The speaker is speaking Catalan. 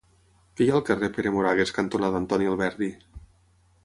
Què hi ha al carrer Pere Moragues cantonada Antoni Alberdi?